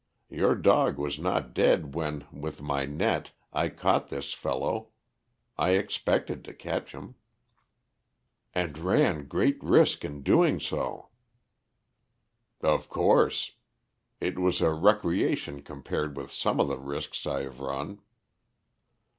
Your dog was not dead when, with my net, I caught this fellow I expected to catch him." "And ran great risk in doing so." "Of course. It was a recreation compared with some of the risks I have run."